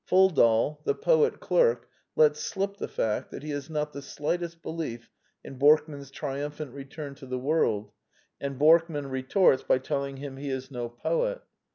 Foldal, the poet clerk, lets slip the fact that he has not the slightest belief in Borkman's triumphant return to the world; and Borkman retorts by tell ing him he is no poet.